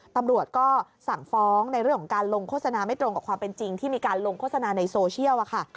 ตำรวจก็สั่งฟ้องในเรื่องของการลงโฆษณาไม่ตรงกับความเป็นจริงที่มีการลงโฆษณาในโซเชียลค่ะ